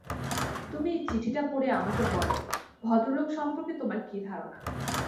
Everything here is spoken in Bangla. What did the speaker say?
তুমি চিঠিটা পড়ে আমাকে বল ভদ্রলোক সম্পর্কে তোমার কী ধারণা।